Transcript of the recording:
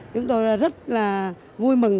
chúng tôi rất là vui mừng